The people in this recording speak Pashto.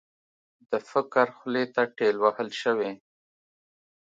د فقر خولې ته ټېل وهل شوې.